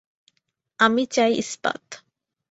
আমি চাই ইস্পাত।